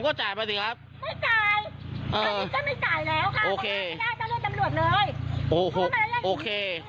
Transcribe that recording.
ผมก็จ่ายไปสิครับไม่จ่ายคราวนี้ก็ไม่จ่ายแล้วค่ะผมไม่ได้ต้องเลือกตำรวจเลย